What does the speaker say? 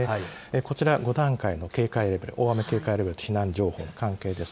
こちら、５段階の警戒レベル、大雨警戒レベル、避難情報、関係です。